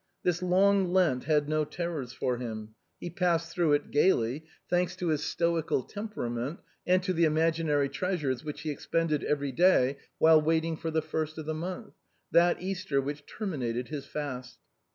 This long Lent had no terrors for him ; he passed through it gaily, thanks to his stoical tem perament and to the imaginary treasures which he expended every day while waiting for the first of the month, that Eas ter which terminated his fast.